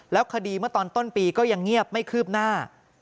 คดีเมื่อตอนต้นปีก็ยังเงียบไม่คืบหน้า